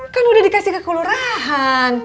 kan udah dikasih ke kelurahan